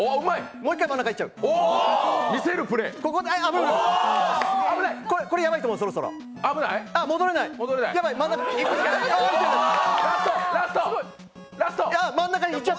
もう１回、真ん中、行っちゃう。